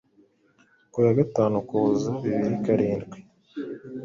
ku ya gatanu Ukuboza bibiri karindwi